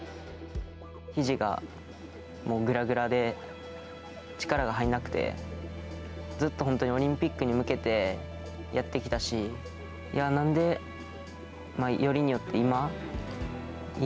ひじがもうぐらぐらで、力が入んなくて、ずっと本当に、オリンピックに向けてやってきたし、いやぁ、なんでよりによって今？